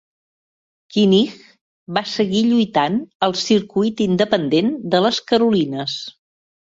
Knight va seguir lluitant al circuit independent de Les Carolines.